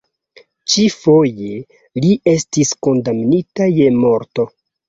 Ĉi-foje, li estis kondamnita je morto.